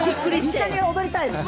一緒に踊りたい！